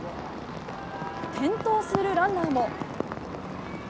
転倒するランナーも。